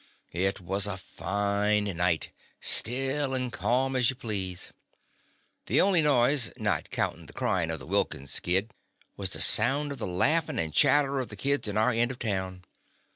It was a fine night — still, and ca'm as you please. The only noise, not countin' the cryin' of the Wilkins' kid, was the sounds of the laughin' and chatter of the children in our end of town.